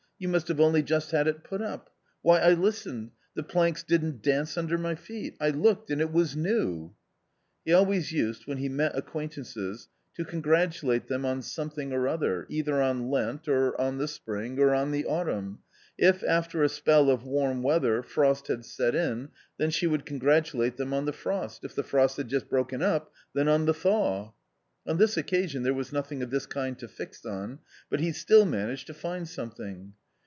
You must have only just had it put up. Why, I listened — the planks didn't dance under my feet. I looked, and it was new !" He always used when he met acquaintances to con gratulate them on something or other, either on Lent, or on the spring* or on the autumn ; if, after a spell of warm weather, frost had set in, then he would congratulate them on the frost, if the frost had just broken up, then on the thaw. On this occasion there was nothing of this kind to fix on, but he still managed to find something.